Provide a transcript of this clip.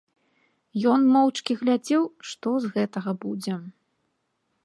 Ён моўчкі глядзеў, што з гэтага будзе.